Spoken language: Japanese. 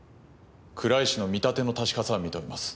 倉石の見立ての確かさは認めます。